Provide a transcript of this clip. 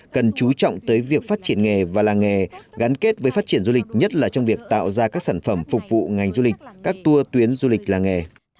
cần chú trọng tới việc phát triển nghề và làng nghề gắn kết với phát triển du lịch nhất là trong việc tạo ra các sản phẩm phục vụ ngành du lịch các tour tuyến du lịch làng nghề